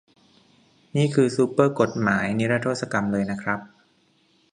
นี่คือซูเปอร์กฎหมายนิรโทษกรรมเลยนะครับ